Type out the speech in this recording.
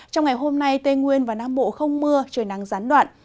trong ngày hôm nay tây nguyên và nam bộ không mưa trời nắng gián đoạn